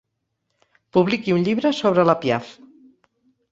Publiqui un llibre sobre la Piaff.